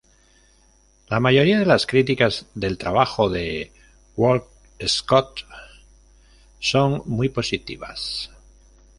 La mayoría de las críticas del trabajo de Walcott son muy positivas.